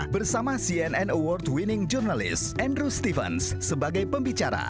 bersama cnn award winning journalist andrew stevens sebagai pembicara